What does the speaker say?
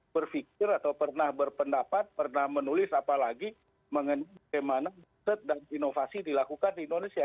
berpikir atau pernah berpendapat pernah menulis apalagi mengenai bagaimana riset dan inovasi dilakukan di indonesia